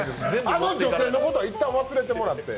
あの女性のことは一旦忘れてもらって。